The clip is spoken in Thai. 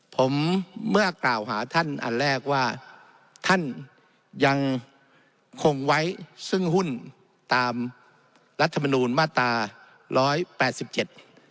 ผมเมื่อกล่าวหาท่านอันแรกว่าท่านยังคงไว้ซึ่งหุ้นตามรัฐมนูลมาตราร้อยแปดสิบเจ็ด